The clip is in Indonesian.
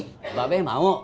mbak beh mau